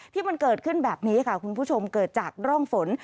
ที่มันเกิดขึ้นแบบนี้ค่ะคุณผู้ชมเกิดจากร่องฝน